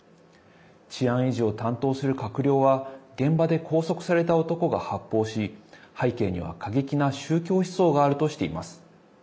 治安維持を担当する閣僚は現場で拘束された男が発砲し背景には過激な宗教思想があるとしています。